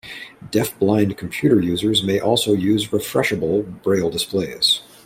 Deafblind computer users may also use refreshable braille displays.